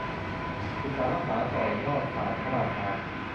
สืบสานรักษาต่อยอดศาสตร์พระราชา